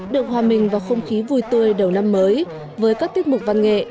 được hòa mình vào không khí vui tươi đầu năm mới với các tiết mục văn nghệ